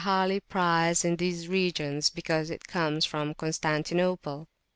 257] highly prized in these regions, because it comes from Constantinople.